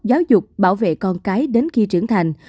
giáo dục bảo vệ con cái đến khi trưởng thành